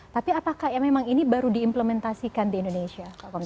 tapi apakah ya memang ini baru diimplementasikan di indonesia